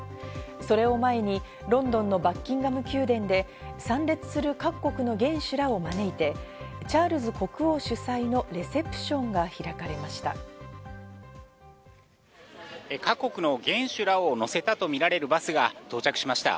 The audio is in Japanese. それを前にロンドンのバッキンガム宮殿で参列する各国の元首らを招いて、チャールズ国王主催のレセプションが開かれました。